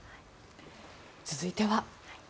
続いては。